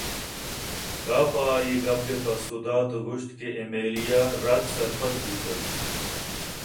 کاف ءَآئی ءِ گپ ءِ پسو دات ءُ گوٛشت کہ ایمیلیا رد سرپد بوتگ